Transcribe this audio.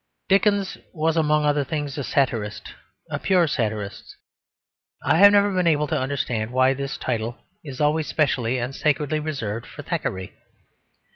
Dickens was among other things a satirist, a pure satirist. I have never been able to understand why this title is always specially and sacredly reserved for Thackeray.